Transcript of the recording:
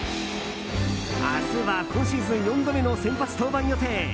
明日は今シーズン４度目の先発登板予定。